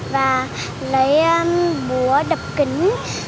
và lấy búa đập kính